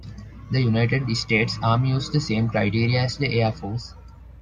The United States Army used the same criteria as the Air Force.